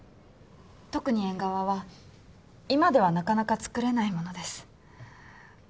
特に縁側は今ではなかなか造れないものです。